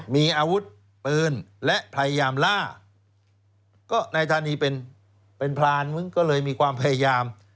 มีอาวุธปืนและพยายามล่าก็นายธานีเป็นพรานมึงก็เลยมีความพยายาม